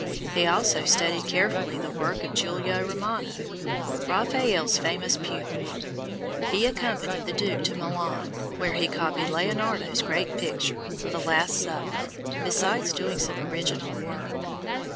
He also studied carefully the work of Julio Romano, Raphael's famous pupil. He accompanied the Duke to Milan, where he copied Leonardo's great picture, "The Last Supper," besides doing some original work.